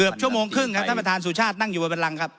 ภาพเหตุชาตินั่งบรรลังครับ